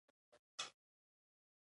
راپور د نظریاتو او وړاندیزونو لیږد دی.